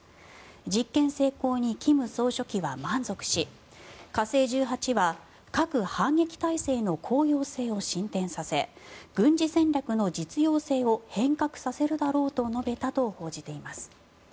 実験成功に金総書記は満足し火星１８は核反撃態勢の効用性を進展させ軍事戦略の実用性を変革させるだろうと述べたと報じています。